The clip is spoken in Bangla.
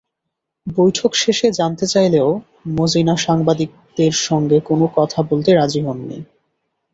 বৈঠক শেষে জানতে চাইলেও মজীনা সাংবাদিকদের সঙ্গে কোনো কথা বলতে রাজি হননি।